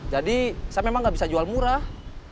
jadi saya memang gak bisa jual murah